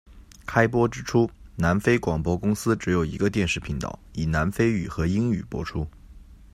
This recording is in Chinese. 开播之初，南非广播公司只有一个电视频道，以南非语和英语播出。